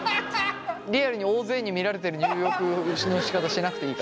リアルに大勢に見られてる入浴のしかたしなくていいから。